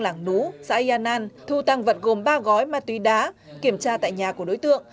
lảng nú xã yà năn thu tăng vật gồm ba gói ma túy đá kiểm tra tại nhà của đối tượng